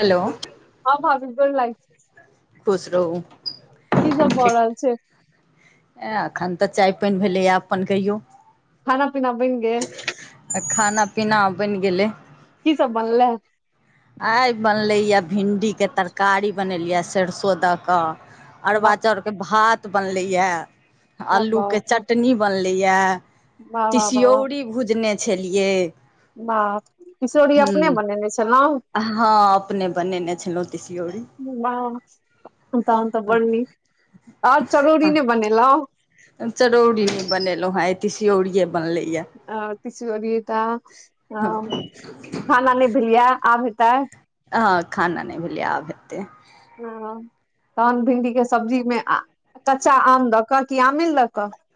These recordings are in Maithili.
हेलो ह भाभी गौर लागय छी खुसरू की सब भ रहल छै एखन तऽ चाय पानि भेलैए अपन कहियौ खाना पीना बन गेल आ खाना पीना बनि गेलैय की सब बनलै आइ बनलैए भिंडीके तरकारी बनेलियए सरसो दऽ कऽ अरवा वाह चाउर के भात बनले ये वाह अलू के चटनी बनले ैया वाह वाह तसौरी भुजने छलियै बाह किशोरी ह अपने बनेने छलहुँ हँ अपने बनेने छलौ तीसीयोरी वाह तऽ ओ त बढ़नी आ चरौरी नहि बनेलों चरौरी नए बनेलो है अऐ तीसिऔरीे बनले अय पछ बिय तऽ अ खाना नहि भेलियै आब हेतैय ह खाना नहि भेलै आब हेतैय ह तहन भिंडी के सब्जीमे कच्चा आम दऽ कऽ क आम मिललक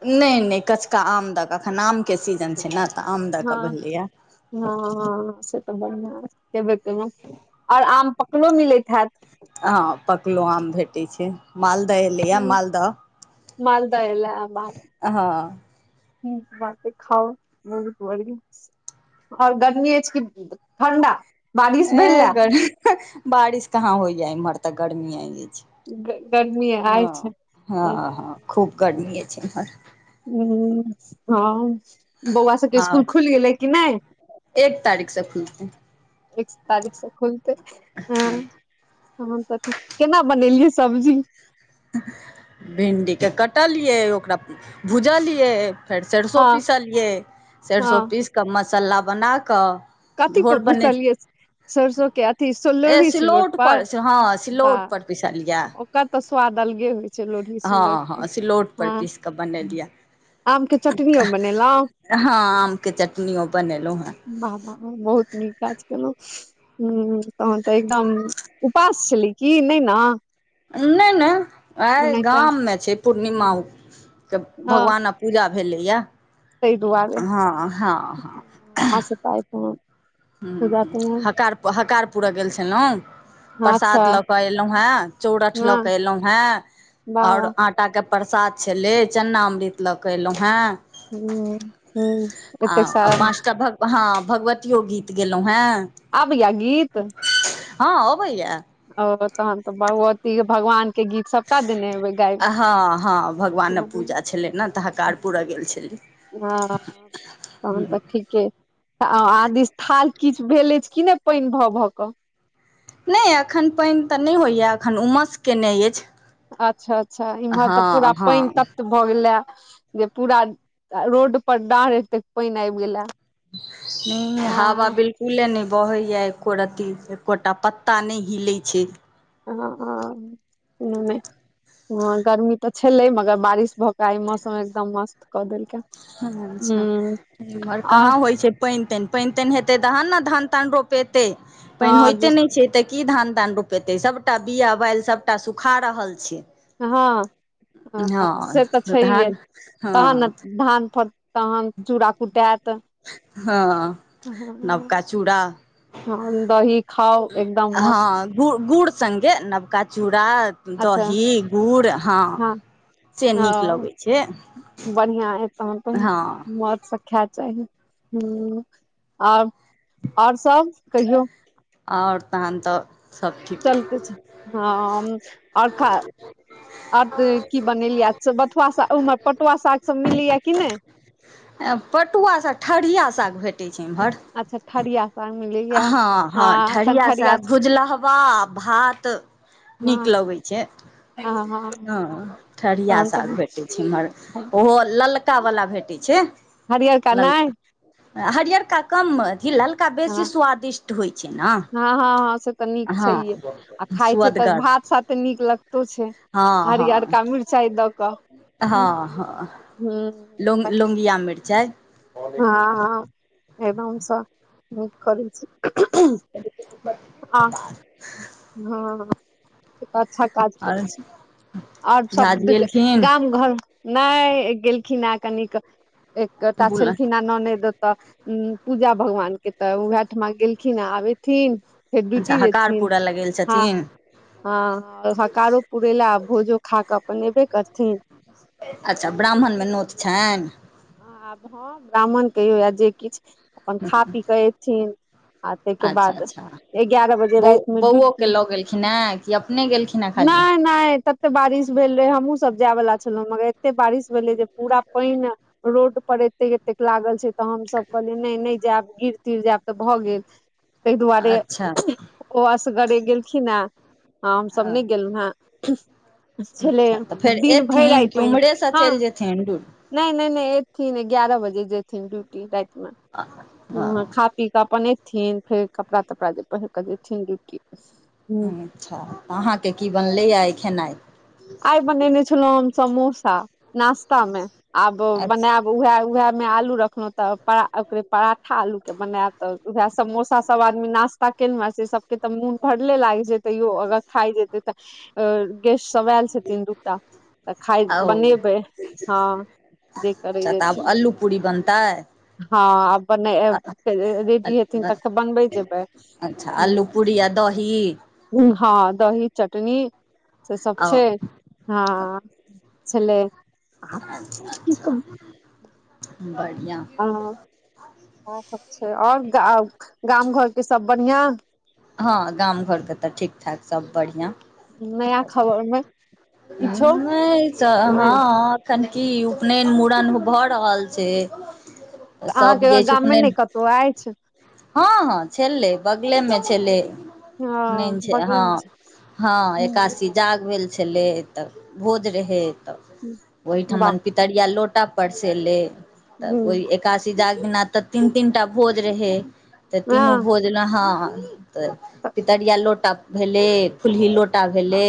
नहि नहि कचका आम दऽक एखन आमके सीजन छै ने तऽ आम दऽ हँ कऽ बनलैए हँ ह से तऽ बनआ जेबे कलहुँ आओर आम पकलो मिलैत हैत हँ पकलो आम भेट क छै मालदह एलैए मालदह मालदह हँ ह बे खाउ म आओर गर्मी अछि कि ठण्डा बारिश ह भेलए ग बारिश कहाँ होइय इम्हर तक गर्मी गर्मी आ आइ छै हँ हँ हँ खूब गर्मी छै मरा ह हँ बौआ सबके आ स्सकुल खुलि गेलै कि नहि एक तारीखसँ खुलतै एकस तारीख से खुलते ह तन तऽ केना बनेलियै सब्जी भिंडीके कटलियै ओकरा भुजलियै फेर सरसो हँ पीसलियै सरसो पीस कऽ मसालला बनाकऽ कथिक पुछलिये से सरसो क आथि सेहो ए लोरही सिलौट पर हँ बाह सिलौट पर पिसलियै ओकर तऽ स्वाद अलगे होइ छै लोढ़ी हँ सिललौटके हँ सिलौट पर हँ पीस कऽ बनेलियै आमके चटनीओ बनेल ब हँ आम के चटनियो बनेलहुँ हेँ बहुत नीक काज केलहु ह तहन तऽ एकदम उपास छलै कि नहि ने नहिन नहि आइ ओनाहिते गाममे छै पूर्णिमाके हँ भगवानक पूजा भेलैए ताहि दुआरे हँ हँ से तऽ आइ हँ ह ह पूजा तूजा ह हकार हकार पुरा गेल छलहुँ हँ, अच्छा प्रसाद लऽ केऽ एलहुँ हेँ चौरठ लऽ हँ के एलहुँ हेँ वाह ओर वाह आटा के प्रसाद छलैय चन्नामृत लग क एलहुॅं हेँ आ ह ह एतेक सारा पाँचटा हँ भगवतियो गीत गेलहुं हे आबैया गीत हँ ह भैया ओओ त त भगवत भगवान के गीत सबटा देने हेबै गायब हँ हँ भगवानक पूजा छलै ने तऽ हकार पुररा गेल छलिय ह तहन तऽ ठीके आदिस थाल किछु भेल अछि कि नै पाइन भऽ भऽ कऽ नइ एखन पाइन तऽ नइ होइए एखन उमस केने अछि अच्छा अच्छा इमहर तऽ पूरा हँ हँ पाइन तत भऽ गेले जे पूरा रोड पर डाँढ़ एते पाइन आइब गेला नइ नइ हव बिलकुले नइ बहैए एको रत्ती एकोटा पत्ता नै हिलै छै ह ह मू ने हँ गर्मी तऽ छलै मगर बारिश भऽ क आइ मौसम एकदम मस्त कऽ देलकै हूँ अच्छह इम्हर आ कहाँ होइ छै पाइन ताइन पाइन ताइन हेते तहन न धान तान रोपेते पाइन हँ होयते नइ छै त की धान तान रोपेते सबटा बिया बैल सबटा सुखा रहल छै हँ हँ से तऽ छैइहे धान हँ तहन न धान फट तहन चूड़ा कुटात हँ नवका हँ चूड़ा दही खाउ एकदम मस्त हँ गु गुड़ संगे नबका चूड़ा अच्छा दही गुड़ हँ से ह नीक लगै छै बढ़िआ य तहन त हँ मोज सँ खाइब ह आ आओर सब कहियौ आओर तहन तऽ सब ठीक चलते छि हँ आओर खा आ तऽ की बनेलियै अछह बथुआ स ओमहर पटुआ सागसभ मिलै य कि नइ पटुआ सग ठढ़िया साग भेटैत छै इम्हर अच्छा ठरीयाँ साग मिलैया हँ हँ एखन ठरिया ठरियाँ भुजलहबा भात नीक हँ लगै छै हँ हँ ठरिया तहन साग तऽ भेटै छै इमहर ओहो ललका बला भेटै छै हरियरका नय ललका हरियरका कम अथि लल्का बेसी हँ स्वादिष्ट होइत हँ हँ हँ से तऽ नीक छैहे आ खााय छै तऽ सुअदगर भात सात तऽ नीक लगतो छै हँ हरियर हँ का मिरचाइ दऽ कऽ हँ हँ ह लोंग ह लोंगिया मिरचाइ हँ हँ एना कर आ हँ अच्छा काज आओर करै छै आओर झा जी देखियो सब एलखिन गाम घर नहि गेलखिन हँ कनिक एकटा बुल छलखिन हअ ननेद तऽ पूजा भगवान के तऽ उएह ठिमा गेलखिन आ आबेथिन फेर अच्छा ड्यूटी हकार जेथिन पूरा लगेल ह छथिन ह हकारो पुरेल भोजो खा कऽ अपन एबे करथिन अच्छा ब्राह्मण मे नोत छइन आब हँ ब्राह्मण कहियौ य जे किछु अपन खा पी कऽ एथिन आ ताहिके अच्छा बाद अच्छा एगारह बजे बौ राति मे बौओके ड्यूटी लऽ गेलखिन हेँ कि अपने गेलखिन हेँ खाली नय नय तत बारिश भेल रहे हमूँ सब जाय बाला छलँ मगर एते बारिश भेलै जे पूरा पाइन रोड पर एतेक एतेक लागल छै तऽ हमसभ कहलियै नइ नइ जायब गिर तिर जैब तऽ भऽ गेल ताहि दुआरे अच्छा ओ असगरे गेलखिन हे हँ हमसभ नहि गेलहुँ हे छल अच्छा तऽ फेर दिन भरि आय एथिन कि प उम्हरेसँ हँ चलि जेथिन डूर नहि नहि थिन एगारह बजे जेथिन ड्यूटी राति मे व खा पी कऽ अपन एथि थिन फेर कपड़ा तपड़ा जे पहिर कऽ देथिन रुटटी अच्छाऽ अहाँके की बनलैए ई खेनाइ आइ बने छल समोसा नास्तामे आब अच्छा बनायब उएह उएहे मे आलू रखलहु तऽ ओकरे पराठा आलू के बनायब तऽ उएह समोसा सब आदमी नास्ता से सबके तऽ मोन भरले लागे छै तैयो अगर खाय जेते तऽ गेस्ट सब आयल छथिन दूटा तऽ खाय ओ बनेबय हँ जे करै अच्छा तऽ आब जेथिन अल्लू पूरी बनतै हँ आब बना रेडी हेथिन तख अच्छा बनबैये जेबैय आलू पूरी आ दही हँ दही चटनी से सब आ छय छय अच्छा बढ ह इएह सब छै और ग गाम घर के सब बढ़िआं हँ गाम घरके तऽ ठीक ठाक सब बढ़ियां नया खबर मे किछो नहि त नहि हँ एखन की उपनयन मुड़न भऽ रहल छै तऽ सब अहाँके गेलछय गाममे उपनयन नहि कतहु अछि हँ हँ छलै बगले मे छलै हँ उपनयन छै हँ बगलेमे छै हँ हूँ, एकादसी जाग भेल छलै तऽ भोज रहै तऽ हूँ, वाह ओहिठमन पितरिया लो टा परसेले तब हूँ, ओहि एकादसी जाग दिना तऽ तीन तीनटा भोज रहे तऽ तीनू हँ भोज ल हँ तऽ पितरिया लोटा भेलै फुल्ही लोटा भेलै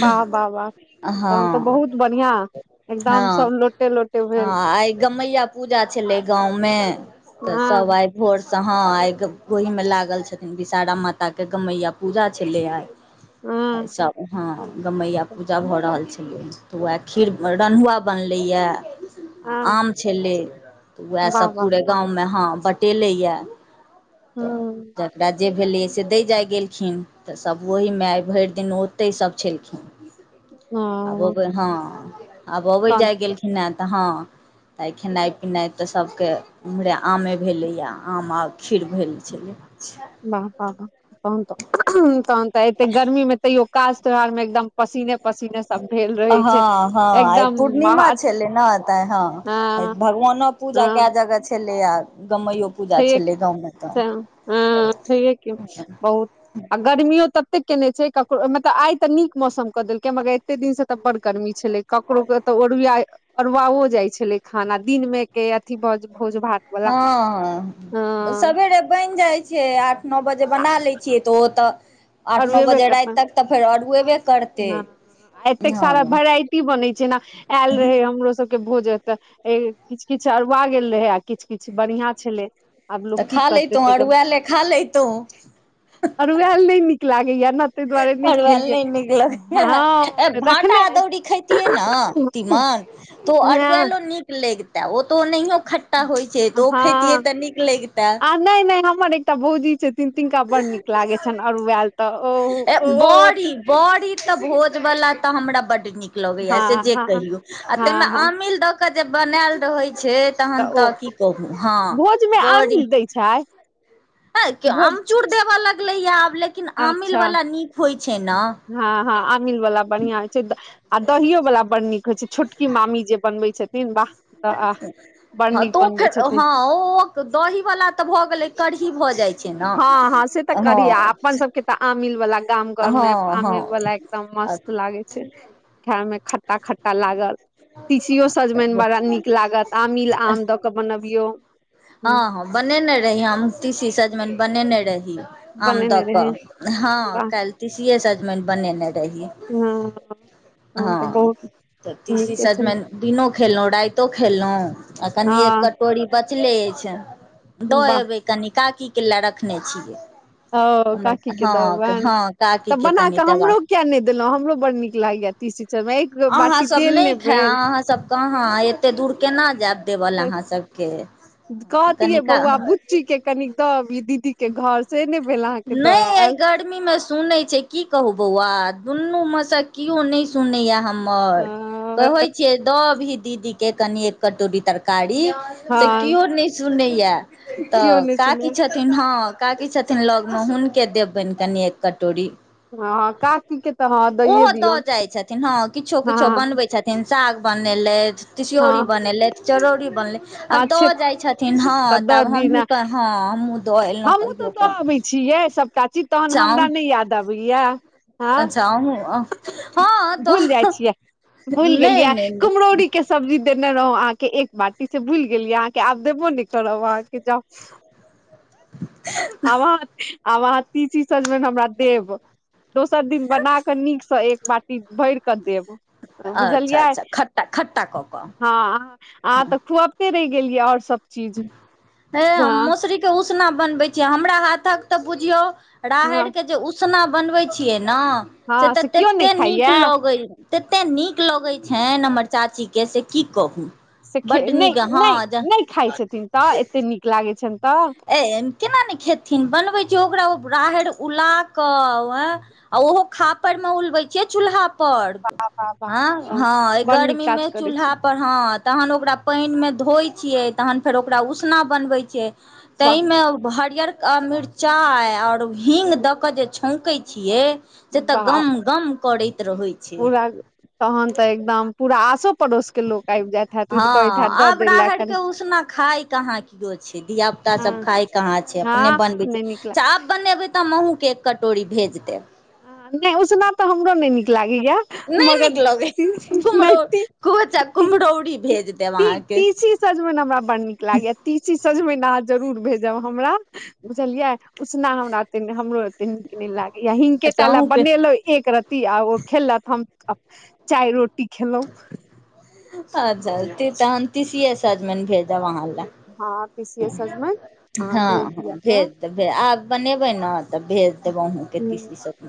वाह वाह वाह तहन तऽ हँ बहुत बढ़िआं एकदम हँ सब लोटे लोटे भेल हँ आइ गमैया पूजा छले गांव में तऽ सब हँ आइ भोर स हां आई ओहि में लागल छथिन विषहरा माताके गमैया पूजा छलै आइ हँ सब हँ गमैया पूजा भऽ रहल छै तऽ उएह खीर रन्हुआ बनलैए आ हँ आम छलै तऽ वाह उएहसभ वाह पूरे गाँवमे हँ बटेलैए ह तऽ जकरा जे भेलै से दै जाइ गेलखिन तऽ सभ ओहिमे आई भरि दिन ओतहि सभ छलखिन आब ह अयबै हँ आब अबै तहन जाय गेलखिन ऐ तऽ हँ तऽ खेनाइ पिनाइ तऽ सभके ओम्हरे आमे भेलैए आम आ खीर भेल छलै बाह बा तहन त तहन तऽ एते गर्मी मे तैयो काज त्योहार मे एकदम पसीने पसीने सब भेल रहे छै एक आई पुर्णिमा छलै न तै हं आई भगवानो पूजा कै जगह छलै लैआ छैये कि ह छैये कि बहुत आ गर्मीओ ततेक केने छै ककरो मतलब आइ तऽ नीक मौसम क देलकै मगर एते दिन से तऽ बड़ गर्मी छलै ककरो के त ओर ओरवाओ जाइ छलै खाना दिन मे के अथी भऽ भोज भात बला हँ सबेरे बनि जाइत छै आठ नौ बजे बना लै छियै तऽ ओ तऽ आठ नौ बजे राति तक त फेर औरुएवे ह एतेक सारा वेराइटी बनैत छै न आयल रहे हमरो सब के भोज ए तऽ किछु किछु अरुवा गेल रहै आ किछु किछु बढ़िया छलै आब लोक तऽ की खा करते लैतहुँ तैक अरुआएले खा लैतहुँ अरुवैल नहि नीक लागएयै अरुवैल नहि नीक लगैयै ऐ हँ भाटा रखने अदौरी खैतियै न तीमन तो हँ अरुवैलो नीक लगिते तऽ ओ नहियो खट्टा होइ छै तऽ ओ खेैतियै हँ तऽ नीक लगते तीन दिनका बड नीक लागै छनि अरुआयल तऽ ओ ओओत बड़ी बड़ी तऽ भोज वला तऽ हमरा बड्ड नीक लगएयै से हँ जे हँ कहियो आ तै मे हँ हँ आमिल दऽ के जे बनायल रहय छै तहन तऽ की कहू हँ भोजमे बरी आमिल दै छै है के भोज आमचूर देबऽ लगलै यै आब लेकिन आमिल अच्छा वला नीक होइ छै ने हँ हँ आमिल बला बढ़ियाँ होइ छै आ दहि बला बड नीक होइ छै छोटकी मामी जे बनबै छथि हँ तो बनबै फेर छथिन ह ओ दही वला तऽ भऽ गेलै कढ़ही भऽ जाइ छै ने हँ हँ से तऽ करीया हँ अपन सबके तऽ आमिल वला गाम घर मे आमिल हँ वला एकदम मस्त मस्त लागै छै खाय में खट्टा खट्टा लागल तिसियो सजमइन बड़ा नीक लागत आमिल हँ आम दऽ कऽ बनबियो हँ हँ बनेने रहि हम तीसी सजमयन बनेने रहि आम बनेने दऽ रहे कऽ हँ काल्हि तीसिये सजमयन बनेने रही ह्म हँ तऽ तीसी छल सजमयन दिनो खेलौ राइतो खेलौ आ हँ कनि एक कटोरी बचले अछि दऽ वाह एबै कनि काकी केला रखने छियै और हमर काकी के हँ दबैन हँ तऽ काकीके बना कनि के देबाक हमरो किया नहि देलौ हमरो बड्ड नीक लागै तीसी सजमयन एक अहाँ बाटी सब देल नहि खायब भेल अहाँ सब कहाँ एते दूर केना जायब देवलए अहाँ सबके कहतियै बौआ कनिका बुच्ची के कनी दऽ अबहि दीदी के घर से नहि भेल अहाँके दऽ नहि अइ आयल गर्मी मे सुनै छै की कहू बौआ दुनू मे से केओ नहि सुनैया हमर आओर कहै छियै दऽ अबहि दीदी के कनि एक कटोरी तरकारी से हँ केओ नहि सुनैया केओ तऽ नहि सुने काकी छथिन हँ काकी छथिन लग म हुन के देबैन कनि एक कटोरी हँ काकी के तऽ हँ दैये ओहो दऽ दियौन जाइ छथिन हँ किछो हँ किछो बनबै छथिन साग बनेलैथ तिस्योरी हँ बनेलैथ चरौरी बनले हँ आब छै दऽ जाइ छथिन हँ तऽ दऽ आब दी ने हमहूँके हँ हमहूँ दऽ एलौ कहियो क चाची तहन हमरा नहि याद अबैया हँ अच्छा अहुँ हँ त भुइल गेलियै कुम्हरौरी के सब्जी देने रहौ अहाँके एक बाटी से भुइल गेलियै अहाँके आब देबो नहि करब अहाँके जाउ आब अहाँ आब अहाँ तीसी सजमैन हमरा देब दोसर दिन बना कऽ नीकसँ एक बाटी भरि कऽ देब अच्छा बुझलियै अच्छा खट्टा खट्टा कऽ कऽ हँ अहाँ अहाँ हँ तऽ खुअबते रहि गेलियै आओर सब चीज हे हम हँ मोसरी के उसना बनबै छियै हमरा हाथक तऽ बुझियौ राहड़ हँ के जे उसना बनबै छियै न से हँ तऽ केओ नहि तते खाइया नीक लगै तते नीक लगै छनि हमर चाचीके से की कहू सेेखे बड्ड नीक नहि नहि हँ नहि खाइ छथिन तऽ एते नीक लागै छनि तऽ ए केना नहि खेथिन बनबै छियै ओकरा राहैर उलाकऽ आ ओहो खापैरमे उलबै छियै चूल्हा पर वाह हँ वाह हँ अइ बड़ नीक गर्मी मे काज करै चूल्हा छी पर हँ तहन ओकरा पइन मे धोइ छियै तहन फेर ओकरा उसना बनबै छियै वाह तैमे हरियर आ मिर्चाइ और हिंग दऽ कऽ जे छौकै छियै जे तऽ वाह गम गम करैत रहै छै पूरा तहन तऽ एकदम पूरा आसो पड़ोस के लोक आबि जाइत हैत हँ कहैत हैत दऽ आब दै लए राहैइर कनि के उसना खाय कहाँ किओ छै धिया पुता हँ सब खाय कहाँ छै अपने हँ बनबै छी नहि नीक लाग अच्छा आब बनेबै तऽ हम के एक कटोरी भेज देब नहि ओ सुनाब तऽ हमरो न नीक ल नहि मगर नीक लगै कुम्हरो कोचा कुम्हरौरी भेज देब ती अहाँके तीसी सजमनि हमरा बड़ड नीक लागे या तीसी सजमनि जरूर भेज हमरा बुझलिये उसना हमरा हमरो एे नीक लाग या अच्छा हिकेटा ले अहूँके बनेलो एक रतीी आ ओ खेलत हम चाय रोटी खेलहुं अचछा तहन तीसीसजम भेजब अहाँ ल हँ तीसीये सजमनि अहाँ हँ भेज ह दिया भेज त आ बनेबै ने तऽ भेज देब हम करब तिसीसजम